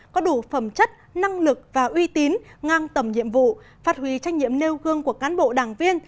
có đủ phẩm chất năng lực và uy tín ngang tầm nhiệm vụ phát huy trách nhiệm nêu gương của cán bộ đảng viên